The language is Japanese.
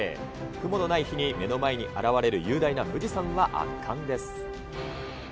雲のない日に目の前に現れる雄大な富士山は圧巻です。